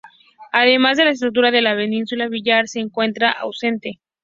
Además la estructura de la vesícula biliar se encuentra ausente.